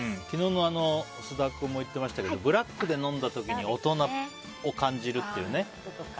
昨日の菅田君も言ってましたけどブラックで飲んだ時に大人を感じるっていうね。